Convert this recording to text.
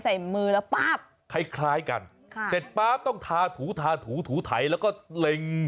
ใส่มือแล้วป๊าบคล้ายกันเสร็จป๊าบต้องทาถูถูไถแล้วก็เล็ง